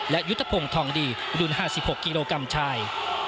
และยุทธพงศ์ทองดีรุ่น๕๖กิโลกรัมชาย